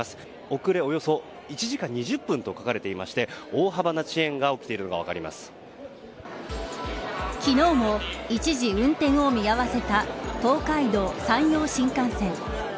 遅れおよそ１時間２０分と書かれていまして大幅な遅延が起きているのが昨日も一時運転を見合わせた東海道・山陽新幹線。